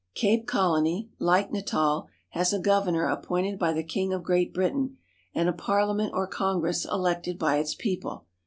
Cape Colony, like Natal, has a governor appointed by the king of Great Britain and a parliament or congress elected by its people.